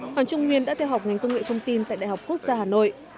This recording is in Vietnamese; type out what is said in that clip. hoàng trung nguyên đã theo học ngành công nghệ thông tin tại đại học quốc gia hà nội